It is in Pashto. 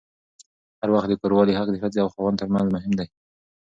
هر وخت د کوروالې حق د ښځې او خاوند ترمنځ مهم دی.